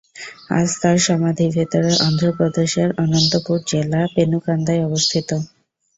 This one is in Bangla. আজ, তাঁর সমাধি ভারতের অন্ধ্র প্রদেশের অনন্তপুর জেলা, পেনুকান্দায় অবস্থিত।